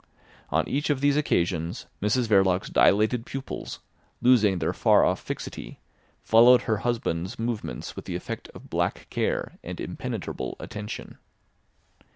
On each of these occasions Mrs Verloc's dilated pupils, losing their far off fixity, followed her husband's movements with the effect of black care and impenetrable attention.